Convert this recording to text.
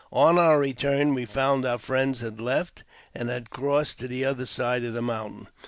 On| our return we found our friends had left, and had crossed tc^l the other side of the mountain.